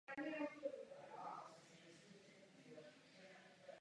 Uživatelé také mohou odeslat data ručně přímo přes webové rozhraní a webový prohlížeč.